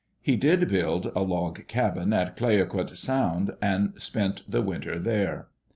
He did build a log cabin at Clayoquot Sound, and spent the winter there.